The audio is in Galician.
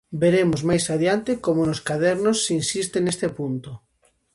Veremos máis adiante como nos Cadernos se insiste neste punto.